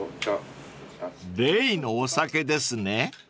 ［例のお酒ですね］